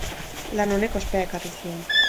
Lan honek ospea ekarri zion.